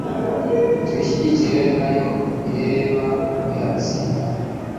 tuyishyigikire nayo ireba ko yatsinda